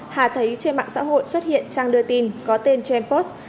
hà thấy trên mạng xã hội xuất hiện trang đưa tin có tên jampost